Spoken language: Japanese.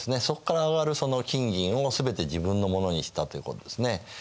そこから上がる金銀を全て自分のものにしたということですね。